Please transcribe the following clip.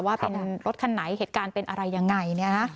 ว่าเป็นรถคันไหนเหตุการณ์เป็นอะไรยังไง